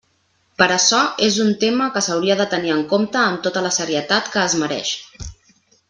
Per açò, és un tema que s'hauria de tenir en compte amb tota la serietat que es mereix.